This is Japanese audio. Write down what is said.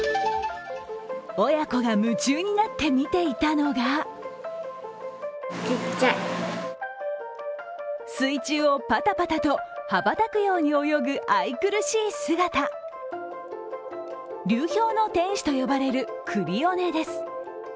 親子が夢中になって見ていたのが水中をパタパタと羽ばたくように泳ぐ愛くるしい姿、流氷の天使と呼ばれるクリオネです。